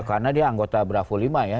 karena dia anggota bravo lima ya